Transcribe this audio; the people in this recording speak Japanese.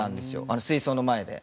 あの水槽の前で。